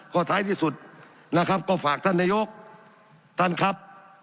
ก็ท้ายที่สุดนะครับก็ฝากท่านนายกท่านครับ